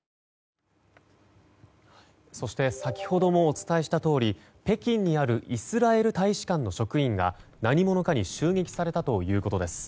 そして先ほどもお伝えしたとおり北京にあるイスラエル大使館の職員が何者かに襲撃されたということです。